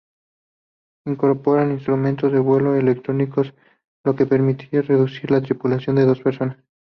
Incorporaba instrumentos de vuelo electrónicos, lo que permitía reducir la tripulación a dos personas.